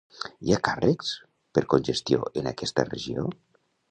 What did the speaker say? Hi ha càrrecs per congestió en aquesta regió.